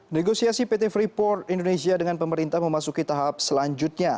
negosiasi pt freeport indonesia dengan pemerintah memasuki tahap selanjutnya